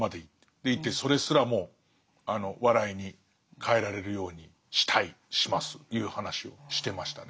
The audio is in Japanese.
でいてそれすらも笑いに変えられるようにしたいしますという話をしてましたね。